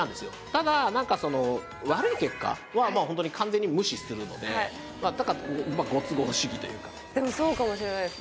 ただなんかその悪い結果はまあホントに完全に無視するのでだからまあご都合主義というかでもそうかもしれないです